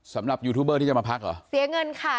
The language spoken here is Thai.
สำหรับยูทูบเบอร์ที่จะมาพักเหรอเสียเงินค่ะ